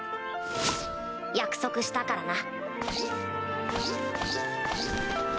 約束したからな